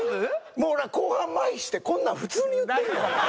もう後半麻痺してこんなん普通に言ってるから。